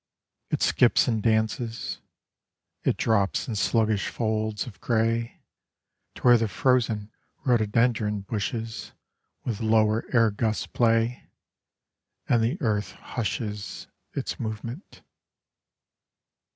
It skips and dances: It drops in sluggish folds Of grey, To where the frozen rhododendron bushes With lower air gusts play, And the earth hushes Its movement.